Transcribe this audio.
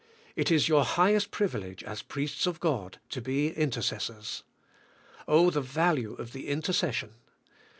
It is your highest privilege as priests of God to be intercessors. Oh, the value of the intercession!